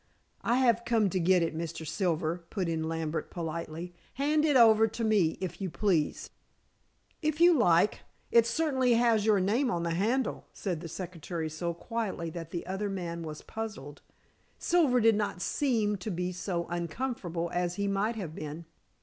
"I have come to get it, Mr. Silver," put in Lambert politely. "Hand it over to me, if you please." "If you like. It certainly has your name on the handle," said the secretary so quietly that the other man was puzzled. Silver did not seem to be so uncomfortable as he might have been.